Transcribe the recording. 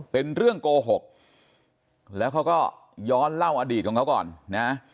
เป็นเรื่องโกหกแล้วเขาก็ย้อนเล่าอดีตของเขาก่อนนะ